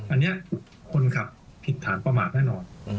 อันนี้คนขับผิดฐานประมาทแน่นอน